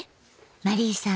マリーさん